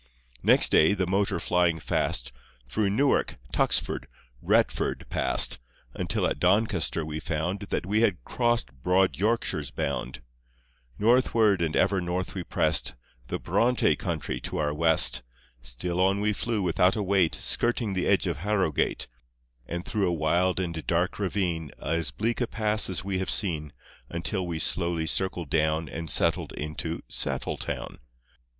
Next day, the motor flying fast, Through Newark, Tuxford, Retford passed, Until at Doncaster we found That we had crossed broad Yorkshire's bound. Northward and ever North we pressed, The Brontë Country to our West. Still on we flew without a wait, Skirting the edge of Harrowgate, And through a wild and dark ravine, As bleak a pass as we have seen, Until we slowly circled down And settled into Settle town.